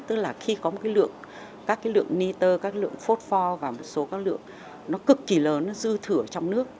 tức là khi có một lượng các lượng niter các lượng phốt pho và một số các lượng nó cực kỳ lớn nó dư thử ở trong nước